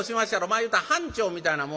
まあいうたら班長みたいなもんだ。